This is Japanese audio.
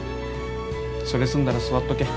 それ済んだら座っとけ。